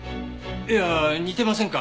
いや似てませんか？